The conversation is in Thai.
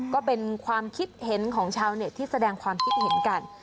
ก็เป็นความคิดเห็นของชาวเน็ตที่แสดงความคิดเห็นกัน